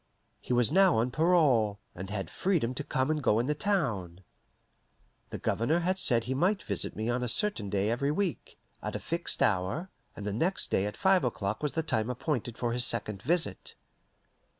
He was now on parole, and had freedom to come and go in the town. The Governor had said he might visit me on a certain day every week, at a fixed hour, and the next day at five o'clock was the time appointed for his second visit.